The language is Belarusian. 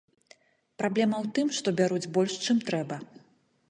Праблема ў тым, што бяруць больш, чым трэба.